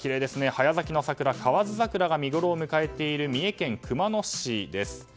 早咲きの桜、河津桜が見ごろを迎えている三重県熊野市です。